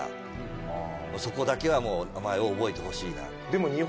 そこだけは名前を覚えてほしいなって。